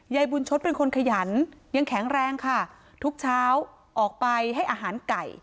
ยายบุญชดเป็นคนขยันยังแข็งแรงค่ะทุกเช้าออกไปให้อาหารไก่